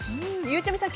ゆうちゃみさん